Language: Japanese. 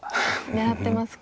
狙ってますか？